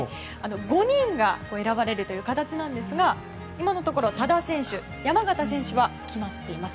５人が選ばれるという形なんですが今のところは多田選手山縣選手は決まっています。